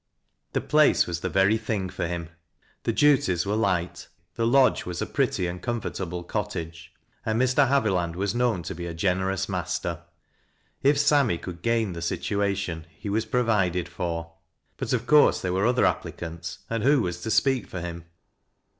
The place was the very thing for him. The duties were light, the lodge was a pretty and comfortable cottage, and Mr. Haviland was known to be a generous master. If Sammy could gain the situation, he was pro vided for. But of course there were other applicants, and who was to speak for him?